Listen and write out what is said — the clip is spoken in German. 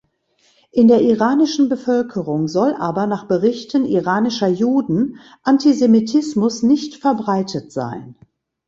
In der iranischen Bevölkerung soll aber nach Berichten iranischer Juden Antisemitismus nicht verbreitet sein.